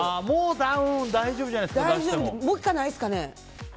もうダウン大丈夫じゃないですか。